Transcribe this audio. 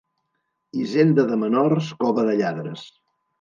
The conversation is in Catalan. Hisenda de menors, cova de lladres.